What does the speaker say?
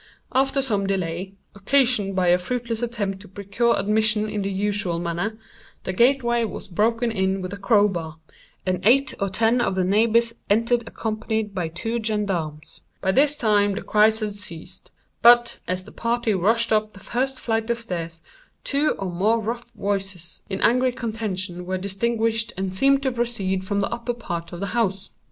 After some delay, occasioned by a fruitless attempt to procure admission in the usual manner, the gateway was broken in with a crowbar, and eight or ten of the neighbors entered accompanied by two gendarmes. By this time the cries had ceased; but, as the party rushed up the first flight of stairs, two or more rough voices in angry contention were distinguished and seemed to proceed from the upper part of the house.